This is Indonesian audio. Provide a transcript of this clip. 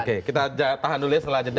oke kita tahan dulu ya setelah jeda